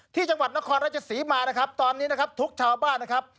ที่จังหวัดนครราชศรีมานะครับตอนนี้นะครับทุกชาวบ้านนะครับ